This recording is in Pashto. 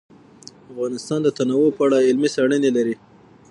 افغانستان د تنوع په اړه علمي څېړنې لري.